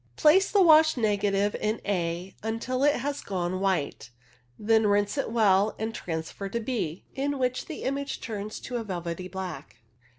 Place the washed negative in A until it has gone white, then rinse it well and transfer to B, in which the image turns to a velvety black.